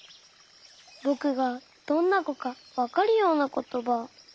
ぼくがどんなこかわかるようなことば。